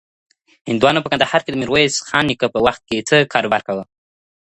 هندوانو په کندهار کي د ميرويس خان نيکه په وخت کي څه کاروبار کاوه؟